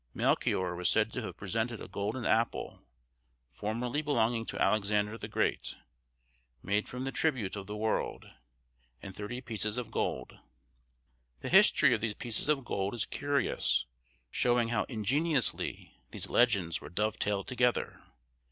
Melchior was said to have presented a golden apple, formerly belonging to Alexander the Great,—made from the tribute of the world—and thirty pieces of gold. The history of these pieces of gold is curious, showing how ingeniously these legends were dovetailed together.